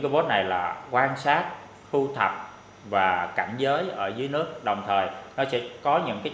cái phương tiện này là quan sát khu thập và cảnh giới ở dưới nước đồng thời nó sẽ có những cái